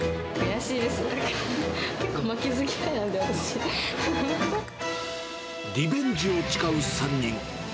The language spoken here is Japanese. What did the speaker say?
結構、リベンジを誓う３人。